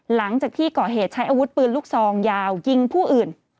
หลังจากที่ก่อเหตุใช้อาวุธปืนลูกซองยาวยิงผู้อื่น